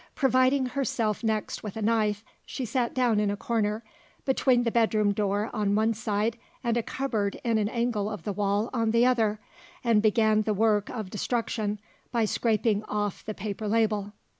Providing herself next with a knife, she sat down in a corner between the bedroom door on one side, and a cupboard in an angle of the wall on the other and began the work of destruction by scraping off the paper label.